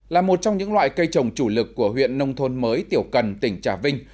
là một trong những loại cây trồng chủ lực của huyện nông thôn mới tiểu cần tỉnh trà vinh